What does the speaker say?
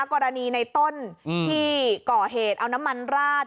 กรณีในต้นที่ก่อเหตุเอาน้ำมันราด